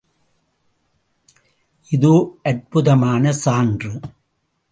இதோ அற்புதமான சான்று.